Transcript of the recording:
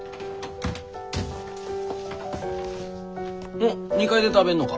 おっ２階で食べんのか？